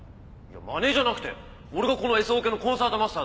マネじゃなくて俺がこのＳオケのコンサートマスターだ。